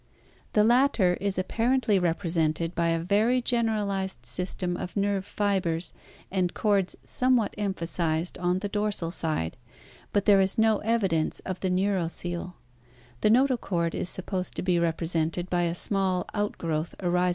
The latter is apparendy represented by a very generalized system of nerve fibers and cords somewhat emphasized on the dorsal side, but there is no evidence of the neurocasle. The notochord is sup posed to be represented by a small outgrowth aris (jran.